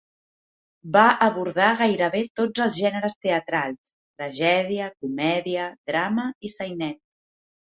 Va abordar gairebé tots els gèneres teatrals: tragèdia, comèdia, drama i sainet.